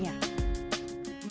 yang kedua santai